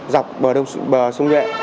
dọc bờ sông nhuệ